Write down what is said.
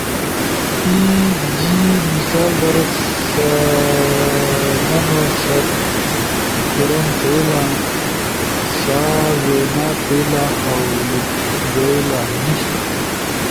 [ای جی۔ مثال در سمنو ست کوروم تھئیلا سا وینا تھئیلا اؤ لیک بئیلا نی ]